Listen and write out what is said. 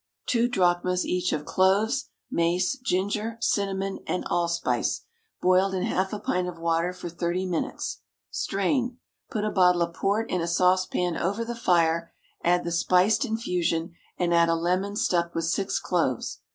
_ Two drachmas each of cloves, mace, ginger, cinnamon, and allspice, boiled in half a pint of water for thirty minutes. Strain. Put a bottle of port in a saucepan over the fire, add the spiced infusion, and a lemon stuck with six cloves.